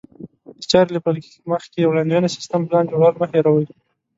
د چارې له پيل مخکې وړاندوینه، سيستم، پلان جوړول مه هېروئ.